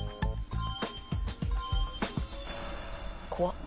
怖っ。